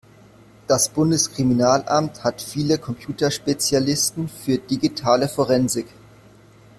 Das Bundeskriminalamt hat viele Computerspezialisten für digitale Forensik.